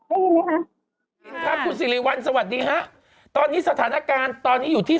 ได้ยินไหมคะคุณสิริวัลสวัสดีฮะตอนนี้สถานการณ์ตอนนี้อยู่ที่